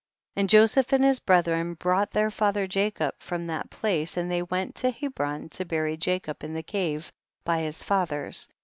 And Joseph and his brethren brought their father Jacob from that place, and they went to Hebron to bury Jacob in the cave by his fathers.